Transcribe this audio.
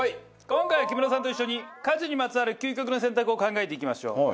今回は木村さんと一緒に家事にまつわる究極の選択を考えていきましょう。